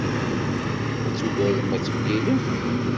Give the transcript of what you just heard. Ay tugadem ad d-temlilem.